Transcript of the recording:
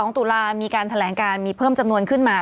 ตุลามีการแถลงการมีเพิ่มจำนวนขึ้นมา